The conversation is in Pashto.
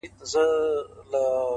• د ملا لوري نصيحت مه كوه ،